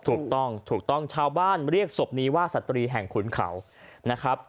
ถูกต้องถูกต้องชาวบ้านเรียกศพนี้ว่าสตรีแห่งขุนเขานะครับ